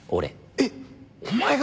えっお前が？